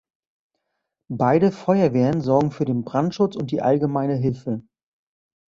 Beide Feuerwehren sorgen für den Brandschutz und die allgemeine Hilfe.